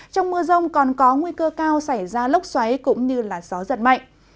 trong mưa rông còn có nguy cơ cao xảy ra lốc xoáy cũng như gió giật mạnh